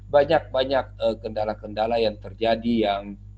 banyak banyak kendala kendala yang terjadi yang